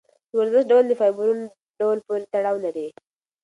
د ورزش ډول د فایبرونو ډول پورې تړاو لري.